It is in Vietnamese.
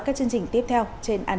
các chương trình tiếp theo trên anntv